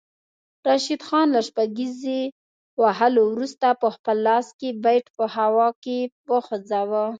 راشد خان له شپږیزې وهلو وروسته پخپل لاس کې بیټ په هوا کې وخوځاوه